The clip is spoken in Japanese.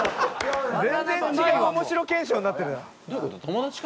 「全然違う面白検証になってるな」